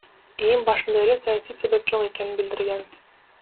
ИИМ башында эле саясий себеп жок экенин билдирген.